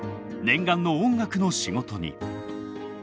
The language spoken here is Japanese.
念願の音楽の仕事に。